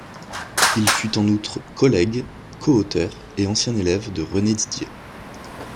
Il fut en outre collègue, co-auteur, et ancien élève de René Didier.